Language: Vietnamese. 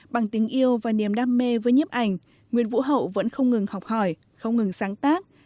bằng tình yêu và niềm đam mê với nhiếp ảnh nguyễn vũ hậu vẫn không ngừng học hỏi không ngừng sáng tác